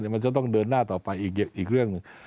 มันจะต้องเดินหน้าต่อไปอีกเรื่องหนึ่ง